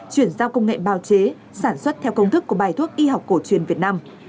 chuyển giao công nghệ bào chế sản xuất theo công thức của bài thuốc y học cổ truyền việt nam